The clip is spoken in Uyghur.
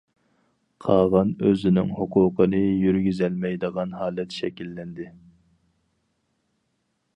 قاغان ئۆزىنىڭ ھوقۇقىنى يۈرگۈزەلمەيدىغان ھالەت شەكىللەندى.